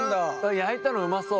焼いたのうまそう。